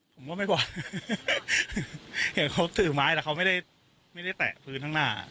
ผมว่าไม่กว่าเห็นเขาถือไม้แต่เขาไม่ได้แตะพื้นข้างหน้า